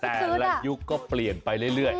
แต่ละยุคก็เปลี่ยนไปเรื่อย